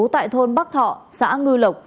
tại thôn bắc thọ xã ngư lộc